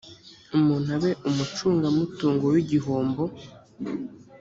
umuntu abe umucungamutungo w igihombo